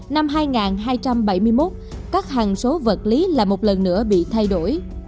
năm hai nghìn hai trăm bảy mươi một các hàng số vật lý là một lần nữa bị thay đổi